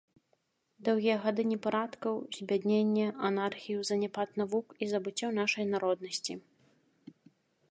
Доўгія гады непарадкаў, збядненне, анархію, заняпад навук і забыццё нашай народнасці.